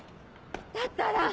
だったら。